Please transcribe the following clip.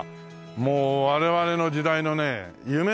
もう我々の時代のね夢の時代ですよ。